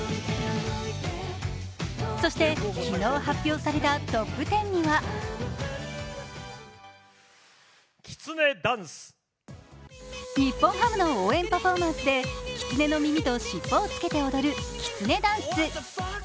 そして昨日発表されたトップ１０には日本ハムの応援パフォーマンスできつねの耳と尻尾をつけて踊るきつねダンス。